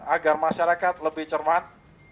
agar masyarakat lebih cermat